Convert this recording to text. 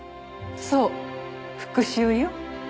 そう復讐よ。